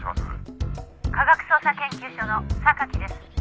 「科学捜査研究所の榊です」